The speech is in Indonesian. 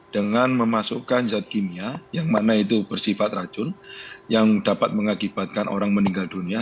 dengan memasukkan zat kimia yang mana itu bersifat racun yang dapat mengakibatkan orang meninggal dunia